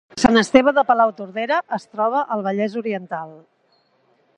Sant Esteve de Palautordera es troba al Vallès Oriental